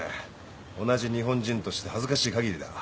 同じ日本人として恥ずかしいかぎりだ。